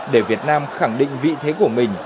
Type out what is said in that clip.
để việt nam khẳng định vị thế của mình